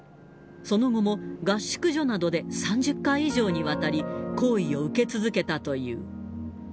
その後も合宿所などで３０回以上にわたり、行為を受け続けたという。